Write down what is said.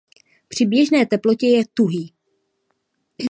Při běžné teplotě je tuhý.